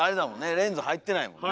レンズ入ってないもんね。